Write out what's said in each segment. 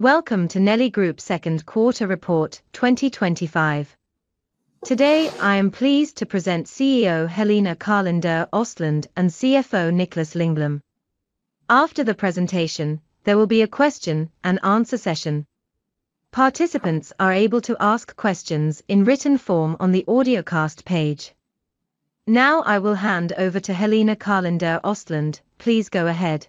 Welcome to Nelly Group AB's Second Quarter Report 2025. Today, I'm pleased to present CEO Helena Carlander-Östlund and our CFO Niklas Lingblom. After the presentation, there will be a Q&A session. Participants may submit their questions in writing on the audiocast page. Now, I'll hand over to Helena Carlander-Östlund. Please go ahead.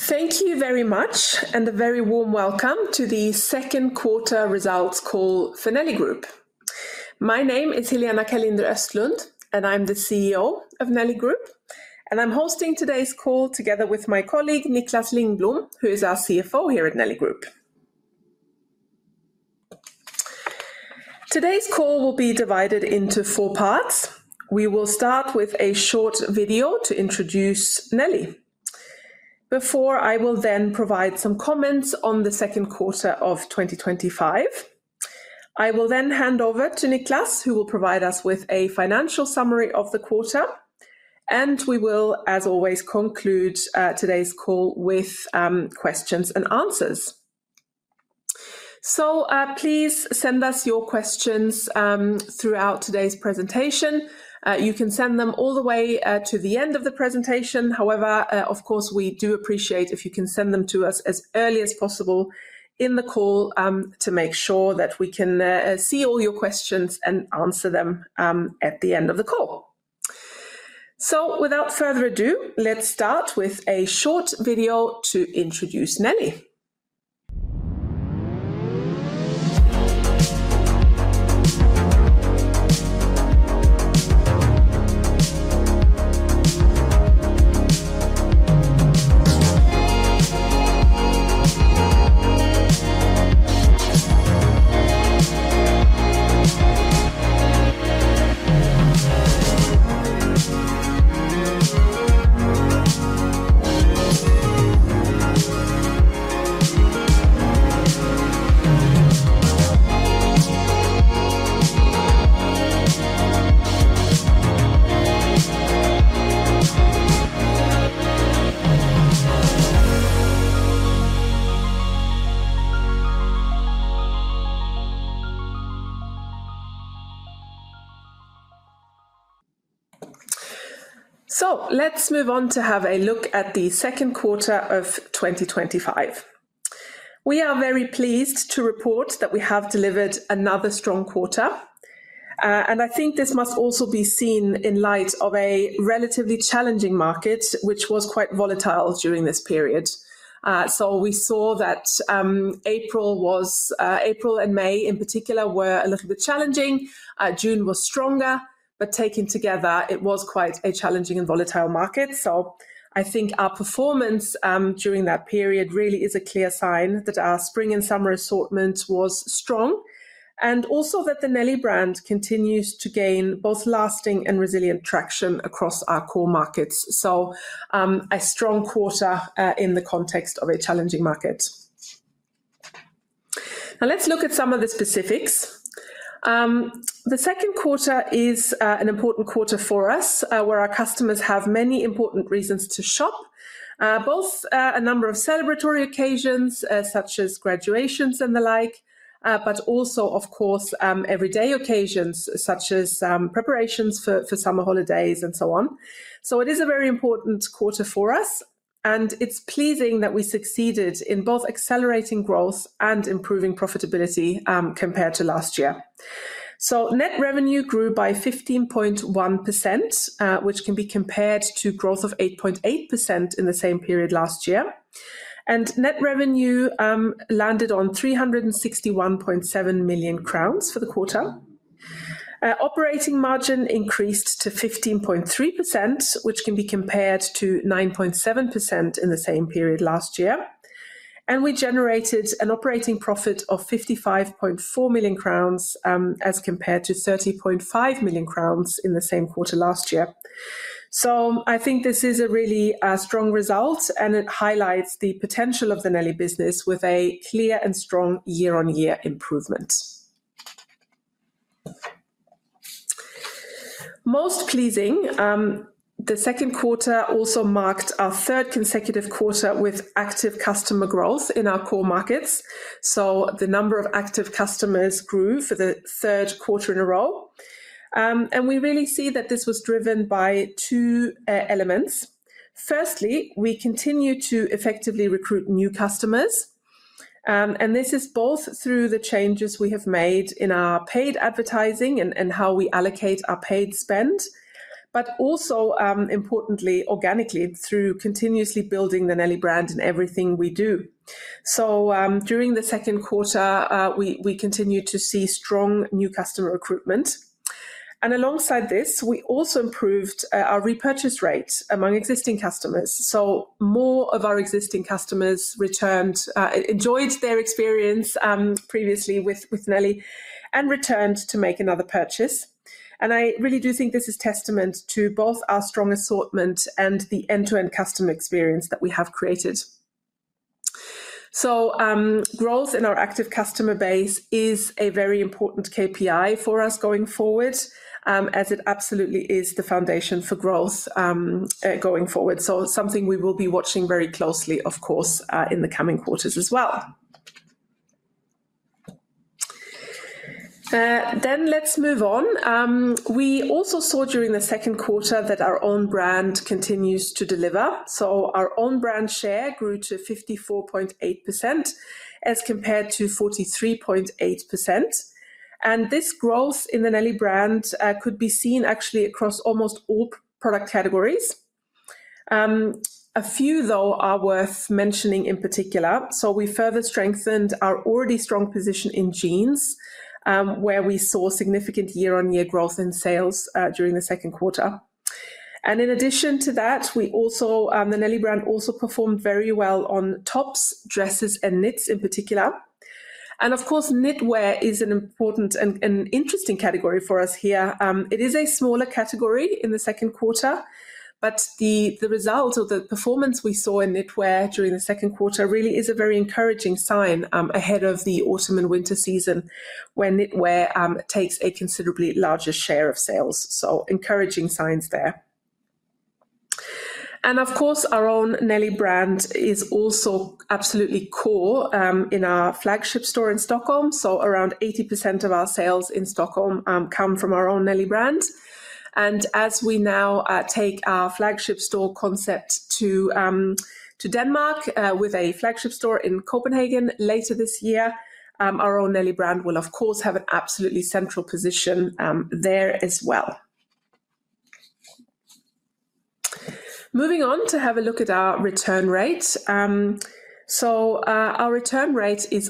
Thank you very much, and a warm welcome to the Second Quarter Results Call for Nelly Group. My name is Helena Carlander-Östlund, and I'm CEO of Nelly Group. I'm hosting today's call together with my colleague Niklas Lindblom, our CFO here at Nelly Group. Today's call will be divided into four parts. We'll start with a short video to introducing Nelly. Then I'll provide some comments on the second quarter of 2025. After that I'll hand it over to Niklas, who will give us a financial summary of the quarter. and as always, we'll conclude today's call with Q&A session. Please send in your questions throughout the presentation. You can submit questions until the end of the presentation. However, we do appreciate it if you can send your questions as early as possible in the call so that we can review and answer them at the end. So Without further ado, let's start with a short video to introducing Nelly. Now Let's move on to take a look at the second quarter of 2025. We're very pleased to report that we have delivered another strong quarter. Which should be viewed in light of a relatively challenging market during this period. April and May were somewhat challenging challenging and volatile market. I believe our performance during this period clearly shows that our spring and summer assortment was strong, and that the Nelly brand continues to gain both lasting and resilient traction across our core markets. Overall, it was a strong quarter in a challenging market. looking at the specifics, the second quarter is important quarter for us, as our customers have many reasons to shop, ranging from celebratory occasions, like graduations to everyday events such as preparing for summer holidays. It is a very satisfying that we succeeded in both accelerating growth and improving profitability compared to last year. Net revenue grew by 15.1%, compared to growth of 8.8% in the same period last year. Net revenue reached 361.7 million crowns for the quarter. Operating margin increased to 15.3%, compared to 9.7% in the same period last year. We generated an operating profit of 55.4 million as compared to 30.5 million crowns in the same quarter last year. This is a strong result, highlighting the potential of the Nelly business with a clear and strong year-on-year improvement. Most pleasingly, the second quarter also marked our third consecutive quarter of active customer growth in our core markets. The number of active customers grew for the third consecutive quarter. We see that this was driven by two factors. Firstly, we continue to effectively recruit new customers. This is achieved both through the changes in our paid advertising and how we allocate our paid spend, and importantly, organically by continuously building the Nelly brand in everything we do. During the second quarter, we continue to see strong new customer recruitment. Alongside this, we also improved our repurchase rate among existing customers. More of our existing customers having enjoyed their previous experience with Nelly, returned to make another purchase. this is a testament to both our strong assortment and the end-to-end customer experience that we have created. Growth in our active customer base is a very important KPI for us going forward, as it absolutely is the foundation for growth going forward. This is something we will be watching very closely, of course, in the coming quarters as well. Let's move on. During the second quarter, that our own brand performance continues to deliver. Our own brand share grew to 54.8% as compared to 43.8%. This growth in the Nelly brand was seen across almost all product categories. A few categories. are worth mentioning in particular. We further strengthened our already strong position in jeans, with significant year-on-year sales growth during the second quarter. In addition the Nelly brand performed very well on tops, dresses, and knits. Knitwear is, an important and interesting category for us. Although a smaller category in the second quarter, knitwear performance was very encouraging ahead of the autumn and winter season, when it accounts for a considerably larger share of sales. Of course, our own Nelly brand is central to our flagship store in Stockholm. Around 80% of sales in Stockholm come from our own Nelly brand. As we expand now our flagship store concept to Denmark with a store in Copenhagen later this year, the Nelly brand will also hold a central position there. Moving on to return rates. Our return rate remains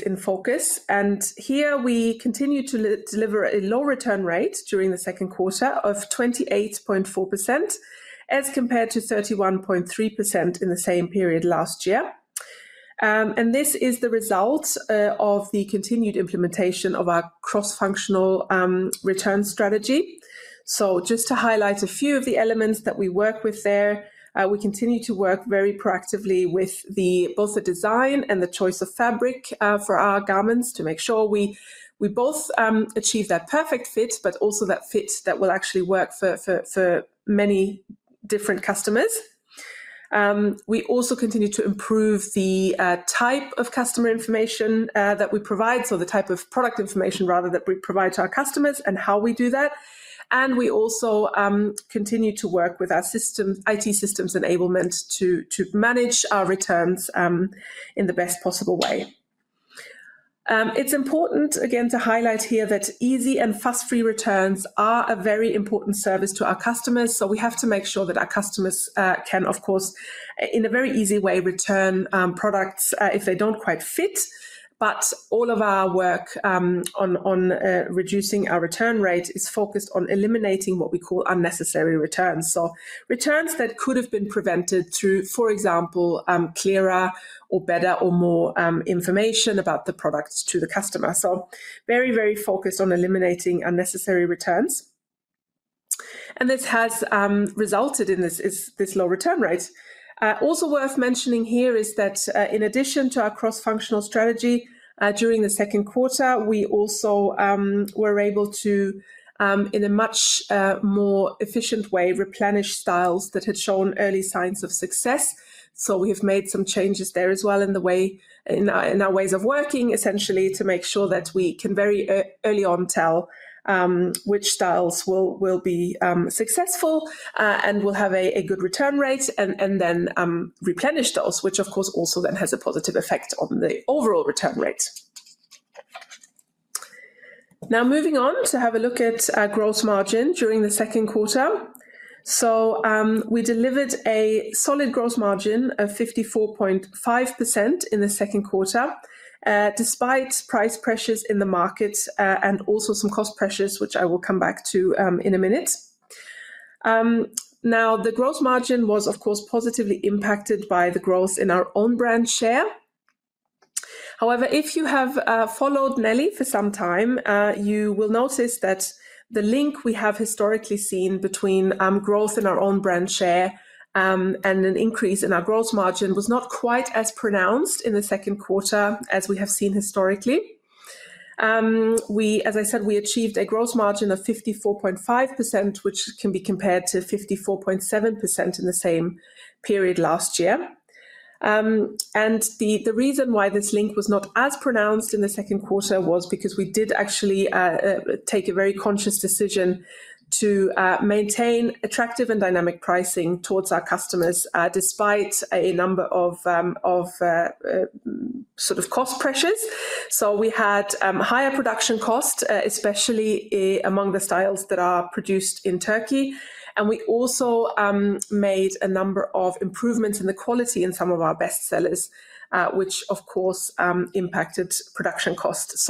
a key focus. We maintained a low return rate during the second quarter of 28.4% as compared to 31.3% in the same period last year. This is the result of the continued implementation of our cross-functional return strategy. Just to highlight a few of the elements that we work with there, we continue to work very proactively with both the design and the choice of fabric for our garments to make sure we both achieve that perfect fit, but also that fit that will actually work for many different customers. We also continue to improve the type of customer information that we provide, the type of product information rather that we provide to our customers and how we do that. We also continue to work with our IT systems enablement to manage our returns in the best possible way. It's important, again, to highlight here that easy and fast-free returns are a very important service to our customers. We have to make sure that our customers can, of course, in a very easy way, return products if they don't quite fit. All of our work on reducing our return rate is focused on eliminating what we call unnecessary returns, returns that could have been prevented through, for example, clearer or better or more information about the products to the customer. We are very, very focused on eliminating unnecessary returns, and this has resulted in this low return rate. Also worth mentioning here is that in addition to our cross-functional strategy, during the second quarter, we also were able to, in a much more efficient way, replenish styles that had shown early signs of success. We have made some changes there as well in the way in our ways of working, essentially, to make sure that we can very early on tell which styles will be successful and will have a good return rate and then replenish those, which, of course, also then has a positive effect on the overall return rate. Now, moving on to have a look at our gross margin during the second quarter. We delivered a solid gross margin of 54.5% in the second quarter, despite price pressures in the markets and also some cost pressures, which I will come back to in a minute. The gross margin was, of course, positively impacted by the growth in our own brand share. However, if you have followed Nelly Group AB for some time, you will notice that the link we have historically seen between growth in our own brand share and an increase in our gross margin was not quite as pronounced in the second quarter as we have seen historically. As I said, we achieved a gross margin of 54.5%, which can be compared to 54.7% in the same period last year. The reason why this link was not as pronounced in the second quarter was because we did actually take a very conscious decision to maintain attractive and dynamic pricing towards our customers, despite a number of cost pressures. We had higher production costs, especially among the styles that are produced in Turkey. We also made a number of improvements in the quality in some of our best sellers, which, of course, impacted production costs.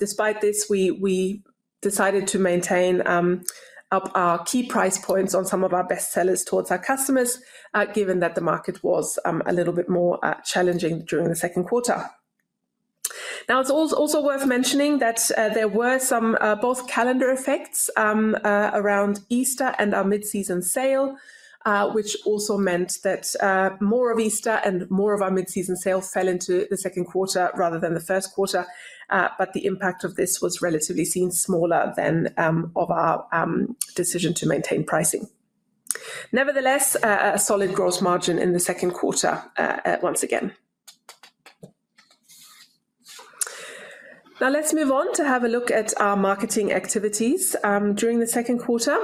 Despite this, we decided to maintain our key price points on some of our best sellers towards our customers, given that the market was a little bit more challenging during the second quarter. It's also worth mentioning that there were some both calendar effects around Easter and our mid-season sale, which also meant that more of Easter and more of our mid-season sales fell into the second quarter rather than the first quarter. The impact of this was relatively seen smaller than of our decision to maintain pricing. Nevertheless, a solid gross margin in the second quarter once again. Let's move on to have a look at our marketing activities during the second quarter.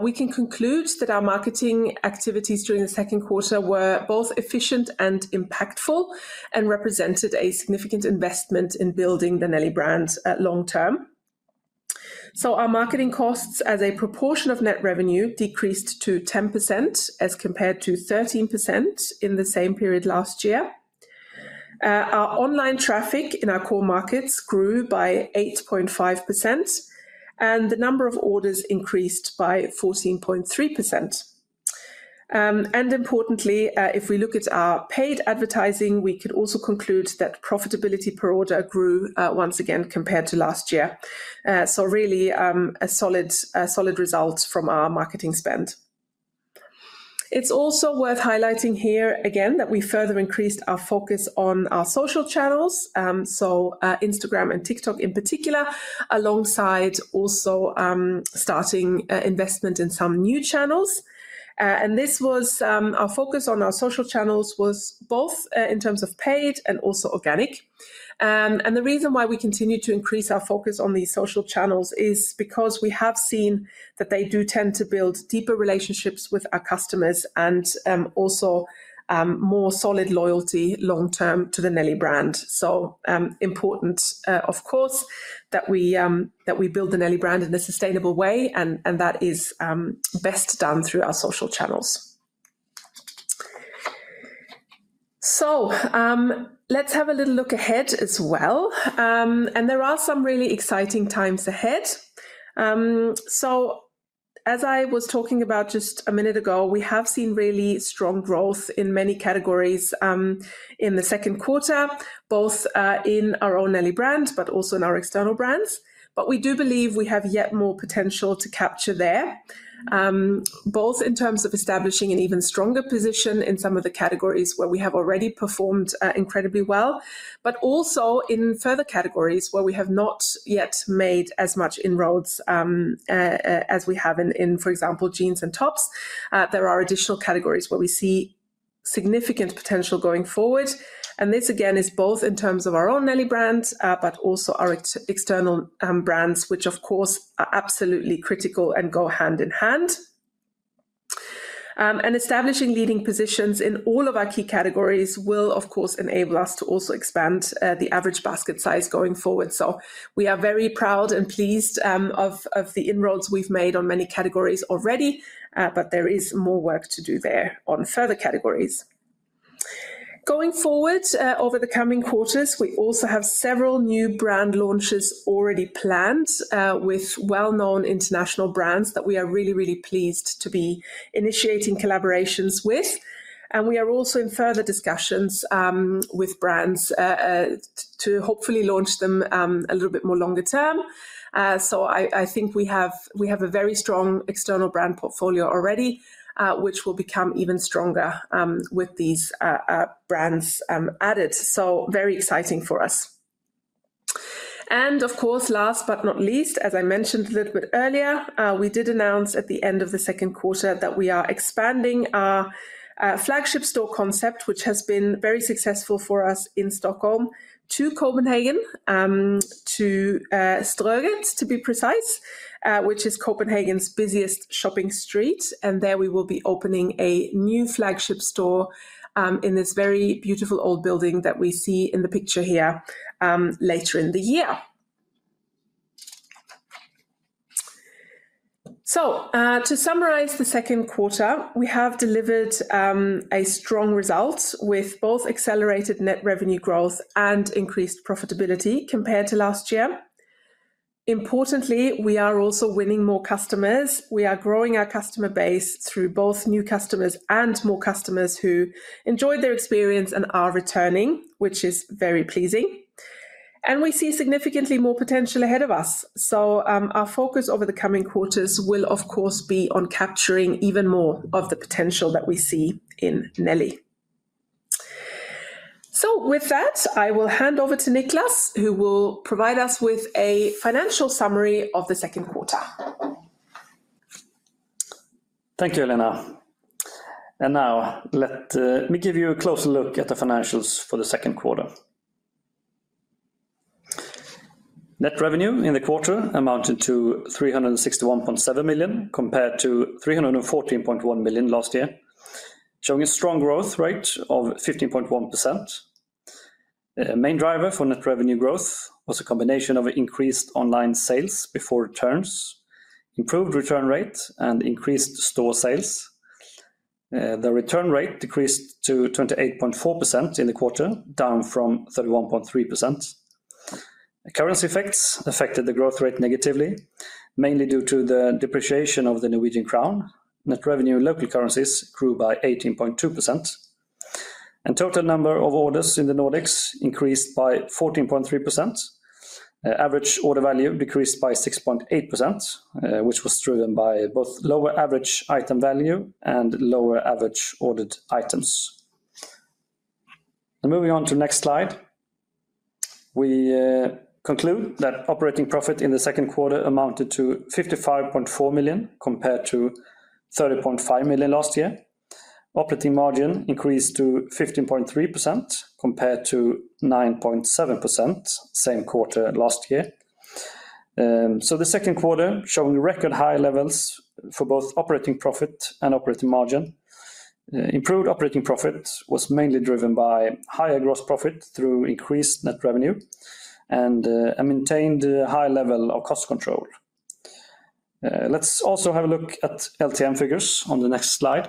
We can conclude that our marketing activities during the second quarter were both efficient and impactful and represented a significant investment in building the Nelly brand long term. Our marketing costs as a proportion of net revenue decreased to 10% as compared to 13% in the same period last year. Our online traffic in our core markets grew by 8.5%, and the number of orders increased by 14.3%. Importantly, if we look at our paid advertising, we could also conclude that profitability per order grew once again compared to last year. Really, a solid result from our marketing spend. It's also worth highlighting here again that we further increased our focus on our social channels, so Instagram and TikTok in particular, alongside also starting investment in some new channels. This focus on our social channels was both in terms of paid and also organic. The reason why we continue to increase our focus on these social channels is because we have seen that they do tend to build deeper relationships with our customers and also more solid loyalty long term to the Nelly brand. It is important, of course, that we build the Nelly brand in a sustainable way, and that is best done through our social channels. Let's have a little look ahead as well. There are some really exciting times ahead. As I was talking about just a minute ago, we have seen really strong growth in many categories in the second quarter, both in our own Nelly brand but also in our external brands. We do believe we have yet more potential to capture there, both in terms of establishing an even stronger position in some of the categories where we have already performed incredibly well, but also in further categories where we have not yet made as much inroads as we have in, for example, jeans and tops. There are additional categories where we see significant potential going forward. This again is both in terms of our own Nelly brand but also our external brands, which, of course, are absolutely critical and go hand in hand. Establishing leading positions in all of our key categories will, of course, enable us to also expand the average basket size going forward. We are very proud and pleased of the inroads we've made on many categories already, but there is more work to do there on further categories. Going forward over the coming quarters, we also have several new brand launches already planned with well-known international brands that we are really, really pleased to be initiating collaborations with. We are also in further discussions with brands to hopefully launch them a little bit more longer term. I think we have a very strong external brand portfolio already, which will become even stronger with these brands added. Very exciting for us. Of course, last but not least, as I mentioned a little bit earlier, we did announce at the end of the second quarter that we are expanding our flagship store concept, which has been very successful for us in Stockholm, to Copenhagen, to Strøget, to be precise, which is Copenhagen's busiest shopping street. There we will be opening a new flagship store in this very beautiful old building that we see in the picture here later in the year. To summarize the second quarter, we have delivered a strong result with both accelerated net revenue growth and increased profitability compared to last year. Importantly, we are also winning more customers. We are growing our customer base through both new customers and more customers who enjoyed their experience and are returning, which is very pleasing. We see significantly more potential ahead of us. Our focus over the coming quarters will, of course, be on capturing even more of the potential that we see in Nelly. With that, I will hand over to Niklas Lindblom, who will provide us with a financial summary of the second quarter. Thank you, Helena. Let me give you a closer look at the financials for the second quarter. Net revenue in the quarter amounted to 361.7 million compared to 314.1 million last year, showing a strong growth rate of 15.1%. A main driver for net revenue growth was a combination of increased online sales before returns, improved return rate, and increased store sales. The return rate decreased to 28.4% in the quarter, down from 31.3%. Currency effects affected the growth rate negatively, mainly due to the depreciation of the Norwegian crown. Net revenue in local currencies grew by 18.2%. The total number of orders in the Nordics increased by 14.3%. Average order value decreased by 6.8%, which was driven by both lower average item value and lower average ordered items. Moving on to the next slide, we conclude that operating profit in the second quarter amounted to 55.4 million compared to 30.5 million last year. Operating margin increased to 15.3% compared to 9.7% in the same quarter last year. The second quarter is showing record high levels for both operating profit and operating margin. Improved operating profit was mainly driven by higher gross profit through increased net revenue and maintained a high level of cost control. Let's also have a look at LTM figures on the next slide.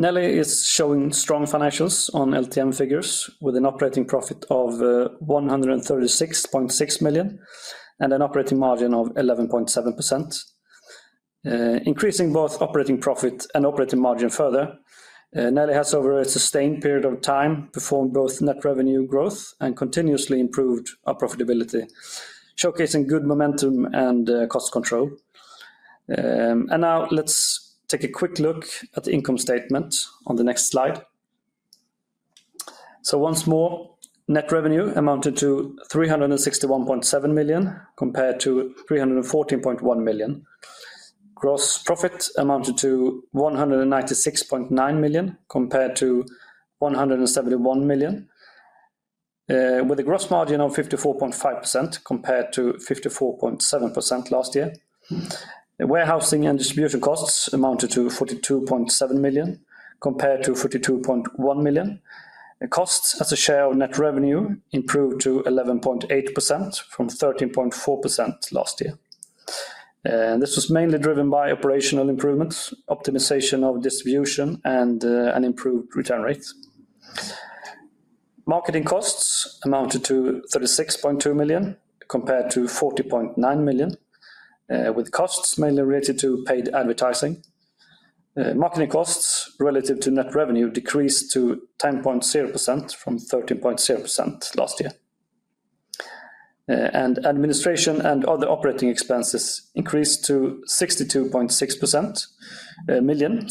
Nelly Group AB is showing strong financials on LTM figures with an operating profit of 136.6 million and an operating margin of 11.7%. Increasing both operating profit and operating margin further, Nelly Group AB has over a sustained period of time performed both net revenue growth and continuously improved profitability, showcasing good momentum and cost control. Now, let's take a quick look at the income statement on the next slide. Once more, net revenue amounted to 361.7 million compared to 314.1 million. Gross profit amounted to 196.9 million compared to 171 million, with a gross margin of 54.5% compared to 54.7% last year. Warehousing and distribution costs amounted to 42.7 million compared to 42.1 million. Costs as a share of net revenue improved to 11.8% from 13.4% last year. This was mainly driven by operational improvements, optimization of distribution, and an improved return rate. Marketing costs amounted to 36.2 million compared to 40.9 million, with costs mainly related to paid advertising. Marketing costs relative to net revenue decreased to 10.0% from 13.0% last year. Administration and other operating expenses increased to 62.6 million,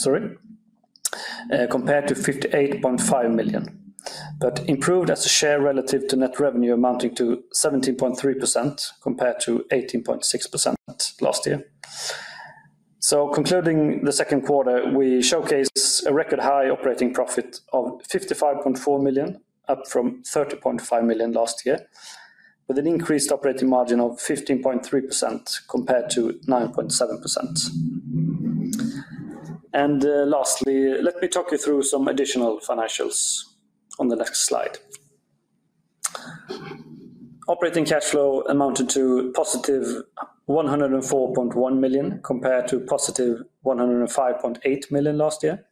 compared to 58.5 million, but improved as a share relative to net revenue, amounting to 17.3% compared to 18.6% last year. Concluding the second quarter, we showcased a record high operating profit of 55.4 million, up from 30.5 million last year, with an increased operating margin of 15.3% compared to 9.7%. Lastly, let me talk you through some additional financials on the next slide. Operating cash flow amounted to positive 104.1 million compared to positive 105.8 million last year.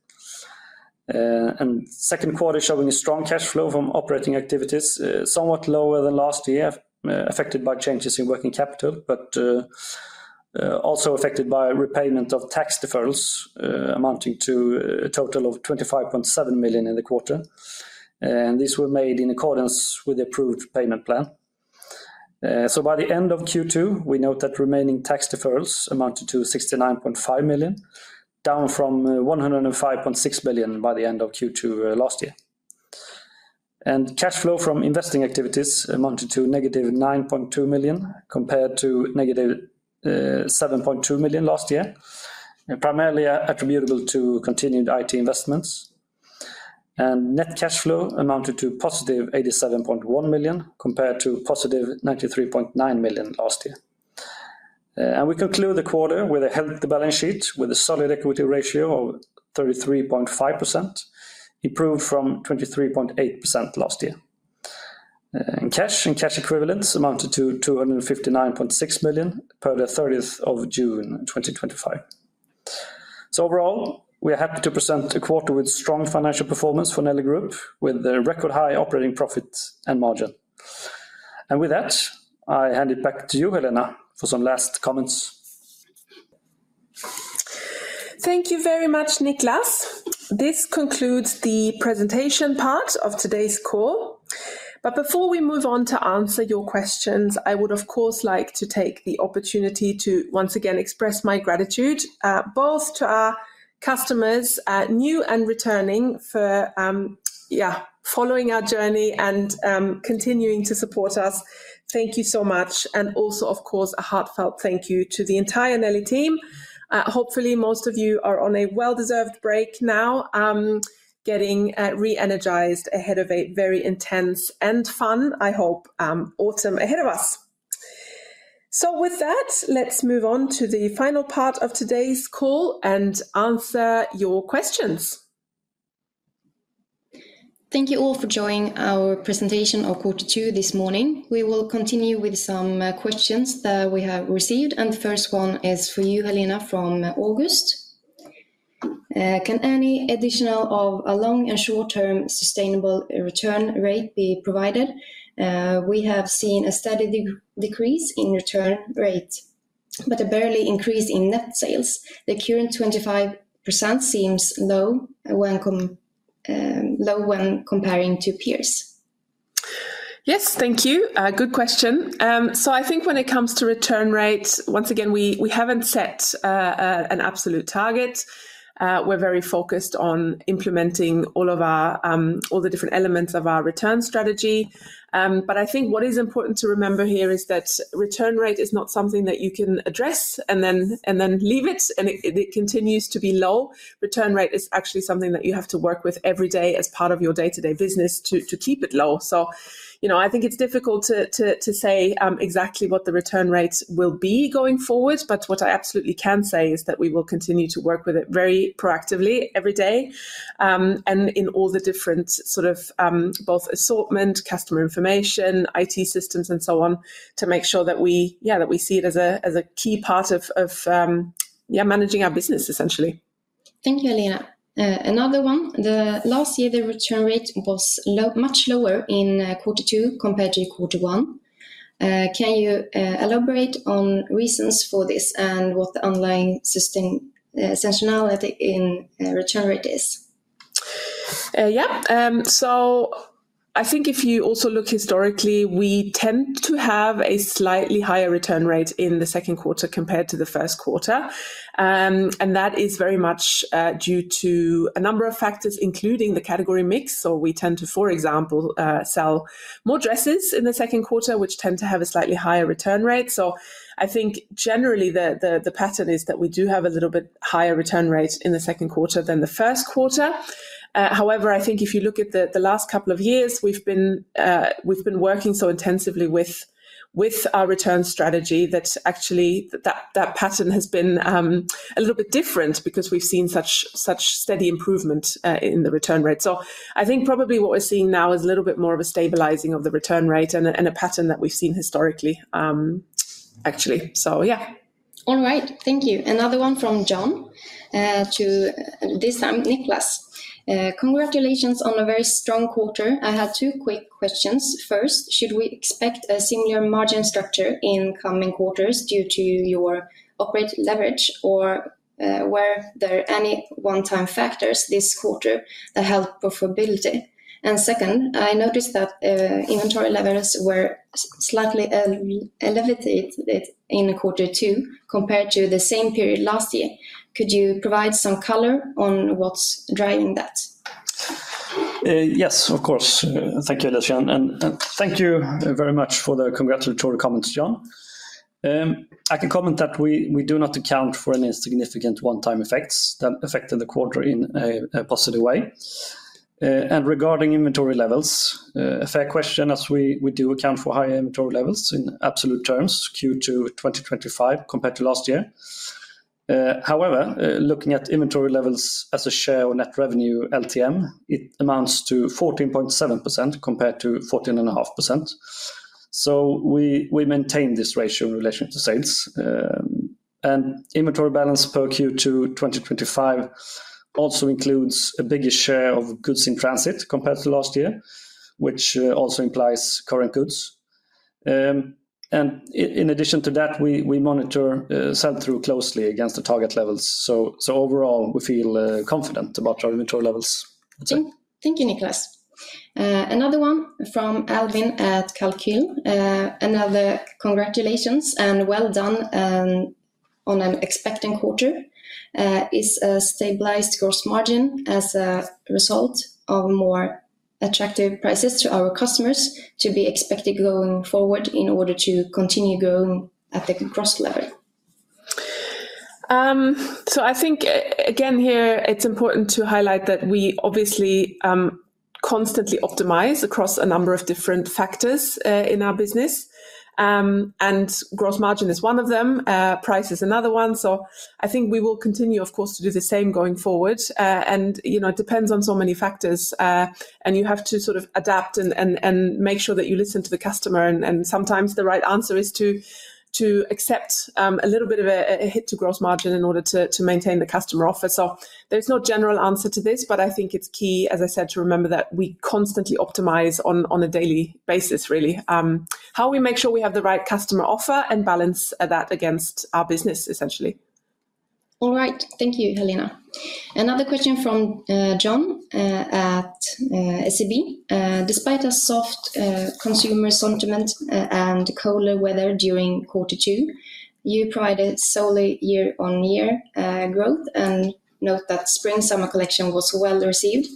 The second quarter showed a strong cash flow from operating activities, somewhat lower than last year, affected by changes in working capital, but also affected by repayment of tax deferrals amounting to a total of 25.7 million in the quarter. These were made in accordance with the approved payment plan. By the end of Q2, we note that remaining tax deferrals amounted to 69.5 million, down from 105.6 million by the end of Q2 last year. Cash flow from investing activities amounted to negative 9.2 million compared to negative 7.2 million last year, primarily attributable to continued IT investments. Net cash flow amounted to positive 87.1 million compared to positive 93.9 million last year. We conclude the quarter with a healthy balance sheet with a solid equity ratio of 33.5%, improved from 23.8% last year. Cash and cash equivalents amounted to 259.6 million per the 30th of June 2025. Overall, we are happy to present a quarter with strong financial performance for Nelly Group AB, with a record high operating profit and margin. With that, I hand it back to you, Helena, for some last comments. Thank you very much, Niklas. This concludes the presentation part of today's call. Before we move on to answer your questions, I would, of course, like to take the opportunity to once again express my gratitude both to our customers, new and returning, for following our journey and continuing to support us. Thank you so much. Also, of course, a heartfelt thank you to the entire Nelly team. Hopefully, most of you are on a well-deserved break now, getting re-energized ahead of a very intense and fun, I hope, autumn ahead of us. With that, let's move on to the final part of today's call and answer your questions. Thank you all for joining our presentation of Q2 this morning. We will continue with some questions that we have received. The first one is for you, Helena, from August. Can any additional of a long and short-term sustainable return rate be provided? We have seen a steady decrease in return rate, but a barely increase in net sales. The current 25% seems low when comparing to peers. Yes, thank you. Good question. I think when it comes to return rate, once again, we haven't set an absolute target. We're very focused on implementing all of our different elements of our return strategy. I think what is important to remember here is that return rate is not something that you can address and then leave it, and it continues to be low. Return rate is actually something that you have to work with every day as part of your day-to-day business to keep it low. I think it's difficult to say exactly what the return rate will be going forward, but what I absolutely can say is that we will continue to work with it very proactively every day and in all the different sort of both assortment, customer information, IT systems, and so on to make sure that we see it as a key part of managing our business, essentially. Thank you, Helena. Another one. The last year, the return rate was much lower in Q2 compared to Q1. Can you elaborate on reasons for this and what the online sustainability in return rate is? I think if you also look historically, we tend to have a slightly higher return rate in the second quarter compared to the first quarter. That is very much due to a number of factors, including the category mix. For example, we tend to sell more dresses in the second quarter, which tend to have a slightly higher return rate. Generally, the pattern is that we do have a little bit higher return rate in the second quarter than the first quarter. However, if you look at the last couple of years, we've been working so intensively with our return strategy that actually that pattern has been a little bit different because we've seen such steady improvement in the return rate. Probably what we're seeing now is a little bit more of a stabilizing of the return rate and a pattern that we've seen historically, actually. All right. Thank you. Another one from John, this time, Niklas. Congratulations on a very strong quarter. I had two quick questions. First, should we expect a similar margin structure in coming quarters due to your operating leverage, or were there any one-time factors this quarter that helped profitability? Second, I noticed that inventory levels were slightly elevated in quarter two compared to the same period last year. Could you provide some color on what's driving that? Yes, of course. Thank you, Alicia. Thank you very much for the congratulatory comments, John. I can comment that we do not account for any significant one-time effects that affected the quarter in a positive way. Regarding inventory levels, a fair question as we do account for higher inventory levels in absolute terms Q2 2025 compared to last year. However, looking at inventory levels as a share of net revenue LTM, it amounts to 14.7% compared to 14.5%. We maintain this ratio in relation to sales. Inventory balance per Q2 2025 also includes a bigger share of goods in transit compared to last year, which also implies current goods. In addition to that, we monitor sell-through closely against the target levels. Overall, we feel confident about our inventory levels. Thank you, Niklas. Another one from Albin at Calcule. Another congratulations and well done on an expectant quarter. Is a stabilized gross margin as a result of more attractive prices to our customers to be expected going forward in order to continue growing at the gross level? I think again here it's important to highlight that we obviously constantly optimize across a number of different factors in our business. Gross margin is one of them, price is another one. I think we will continue, of course, to do the same going forward. It depends on so many factors. You have to sort of adapt and make sure that you listen to the customer. Sometimes the right answer is to accept a little bit of a hit to gross margin in order to maintain the customer offer. There's no general answer to this, but I think it's key, as I said, to remember that we constantly optimize on a daily basis, really. How we make sure we have the right customer offer and balance that against our business, essentially. All right. Thank you, Helena. Another question from John at SEB. Despite a soft consumer sentiment and colder weather during Q2, you provided solely year-on-year growth and note that spring-summer collection was well received.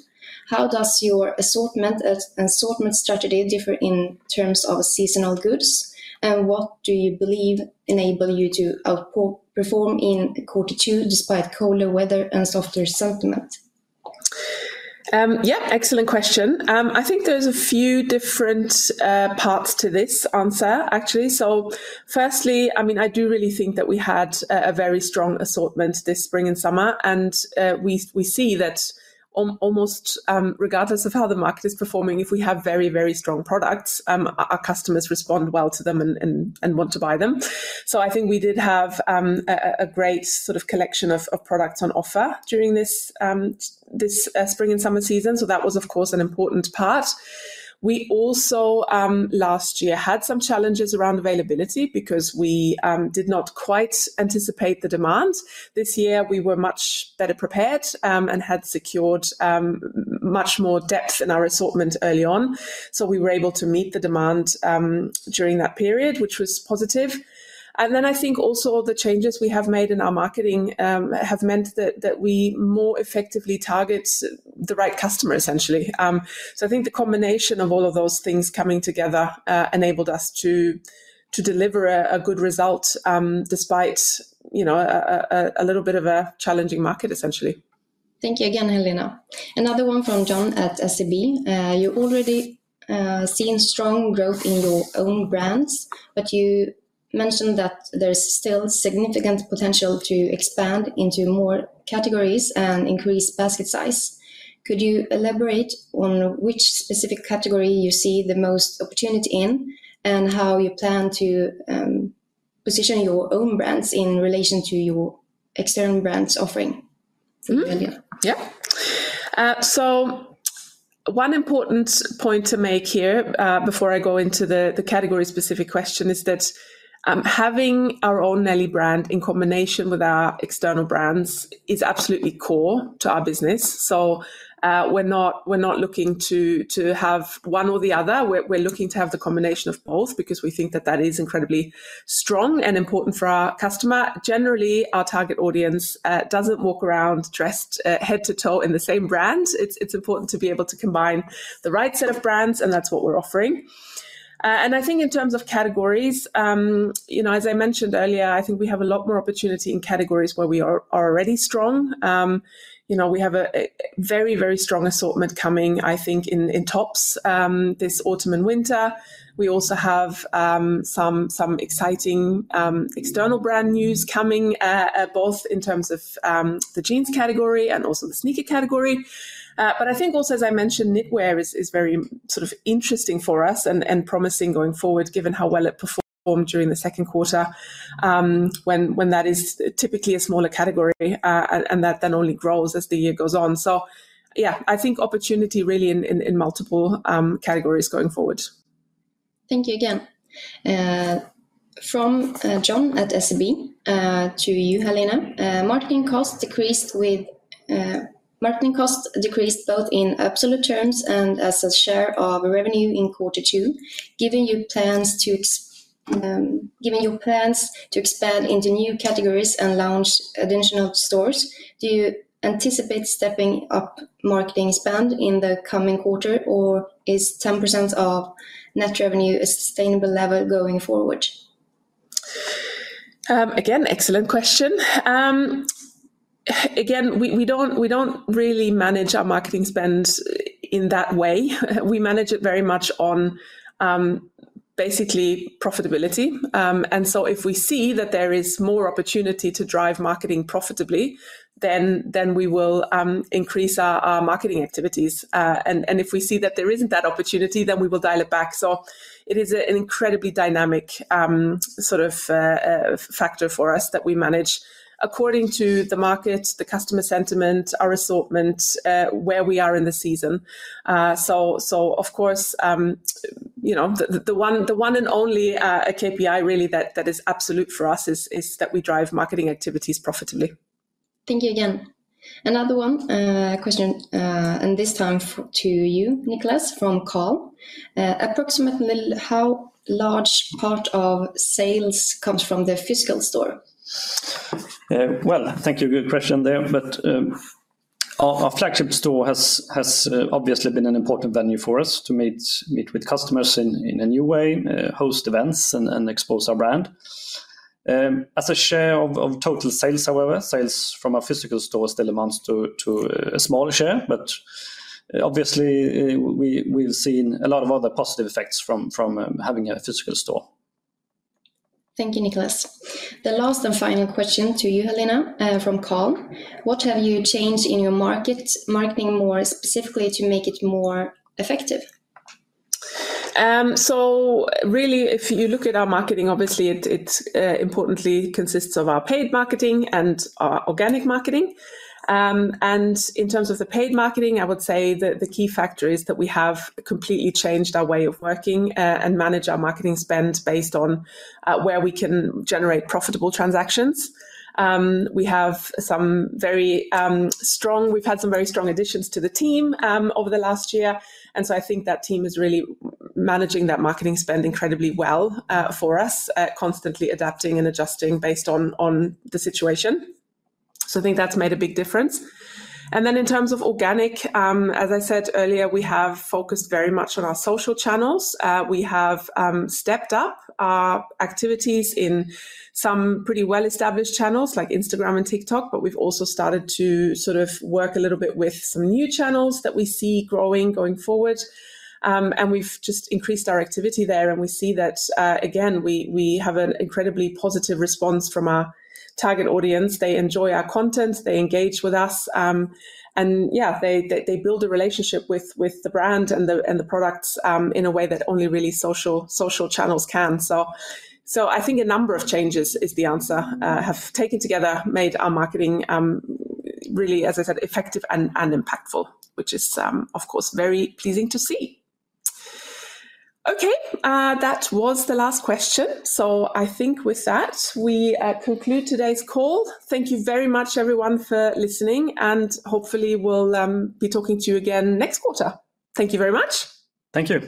How does your assortment and assortment strategy differ in terms of seasonal goods? What do you believe enables you to outperform in Q2 despite colder weather and softer sentiment? Excellent question. I think there's a few different parts to this answer, actually. Firstly, I do really think that we had a very strong assortment this spring and summer. We see that almost regardless of how the market is performing, if we have very, very strong products, our customers respond well to them and want to buy them. I think we did have a great sort of collection of products on offer during this spring and summer season. That was, of course, an important part. Last year, we had some challenges around availability because we did not quite anticipate the demand. This year, we were much better prepared and had secured much more depth in our assortment early on. We were able to meet the demand during that period, which was positive. I think also the changes we have made in our marketing have meant that we more effectively target the right customer, essentially. I think the combination of all of those things coming together enabled us to deliver a good result despite, you know, a little bit of a challenging market, essentially. Thank you again, Helena. Another one from John at SCB. You already seen strong growth in your own brands, but you mentioned that there is still significant potential to expand into more categories and increase basket size. Could you elaborate on which specific category you see the most opportunity in, and how you plan to position your own brands in relation to your external brands offering? One important point to make here before I go into the category-specific question is that having our own Nelly brand in combination with our external brands is absolutely core to our business. We're not looking to have one or the other. We're looking to have the combination of both because we think that that is incredibly strong and important for our customer. Generally, our target audience doesn't walk around dressed head to toe in the same brand. It's important to be able to combine the right set of brands, and that's what we're offering. I think in terms of categories, as I mentioned earlier, we have a lot more opportunity in categories where we are already strong. We have a very, very strong assortment coming, I think, in tops this autumn and winter. We also have some exciting external brand news coming both in terms of the jeans category and also the sneaker category. I think also, as I mentioned, knitwear is very interesting for us and promising going forward, given how well it performed during the second quarter when that is typically a smaller category and that then only grows as the year goes on. I think opportunity really in multiple categories going forward. Thank you again. From John at SEB to you, Helena. Marketing costs decreased. With marketing costs decreased both in absolute terms and as a share of revenue in quarter two, given your plans to expand into new categories and launch additional stores, do you anticipate stepping up marketing spend in the coming quarter, or is 10% of net revenue a sustainable level going forward? Excellent question. We don't really manage our marketing spend in that way. We manage it very much on basically profitability. If we see that there is more opportunity to drive marketing profitably, then we will increase our marketing activities. If we see that there isn't that opportunity, then we will dial it back. It is an incredibly dynamic sort of factor for us that we manage according to the market, the customer sentiment, our assortment, where we are in the season. The one and only KPI really that is absolute for us is that we drive marketing activities profitably. Thank you again. Another one question, and this time to you, Niklas Lindblom, from Carl. Approximately how large part of sales comes from the physical store? Thank you. Good question there. Our flagship store has obviously been an important venue for us to meet with customers in a new way, host events, and expose our brand. As a share of total sales, however, sales from our physical store still amount to a small share, but obviously, we've seen a lot of other positive effects from having a physical store. Thank you, Niklas. The last and final question to you, Helena, from Carl. What have you changed in your marketing more specifically to make it more effective? If you look at our marketing, obviously, it importantly consists of our paid marketing and our organic marketing. In terms of the paid marketing, I would say the key factor is that we have completely changed our way of working and manage our marketing spend based on where we can generate profitable transactions. We have had some very strong additions to the team over the last year. I think that team is really managing that marketing spend incredibly well for us, constantly adapting and adjusting based on the situation. I think that's made a big difference. In terms of organic, as I said earlier, we have focused very much on our social channels. We have stepped up our activities in some pretty well-established channels like Instagram and TikTok, but we've also started to work a little bit with some new channels that we see growing going forward. We've just increased our activity there. We see that we have an incredibly positive response from our target audience. They enjoy our content. They engage with us, and they build a relationship with the brand and the products in a way that only really social channels can. I think a number of changes taken together have made our marketing, as I said, effective and impactful, which is, of course, very pleasing to see. That was the last question. With that, we conclude today's call. Thank you very much, everyone, for listening. Hopefully, we'll be talking to you again next quarter. Thank you very much. Thank you.